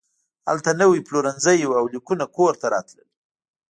هلته نوي پلورنځي وو او لیکونه کور ته راتلل